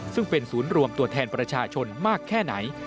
ซึ่งเป็นศูนย์รวมตัวแทนประชาชนมากแค่ไหน